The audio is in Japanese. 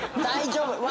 大丈夫！